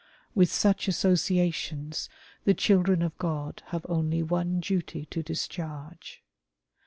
With such associations the children of God have only one duty to discharge.